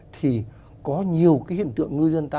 thì có nhiều cái hiện tượng ngư dân ta